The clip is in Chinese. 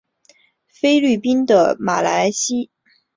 菲律宾的马来人由于西班牙殖民缘故而信奉天主教。